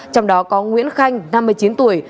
trong đó có nguyễn khanh năm mươi chín tuổi